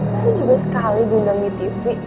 baru juga sekali diundang ke tv